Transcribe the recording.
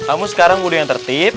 kamu sekarang udah yang tertib